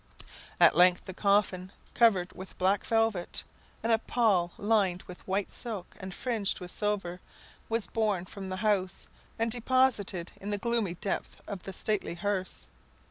At length the coffin, covered with black velvet, and a pall lined with white silk and fringed with silver, was borne from the house and deposited in the gloomy depths of the stately hearse.